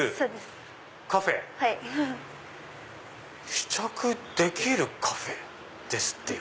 試着できるカフェですってよ。